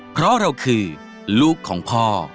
เพราะเราคือลูกของพ่อ